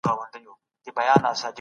د شیدو د خرابیدو مخه ونیسئ.